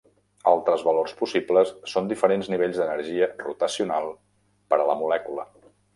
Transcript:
Altres valors possibles són diferents nivells d'energia rotacional per a la molècula.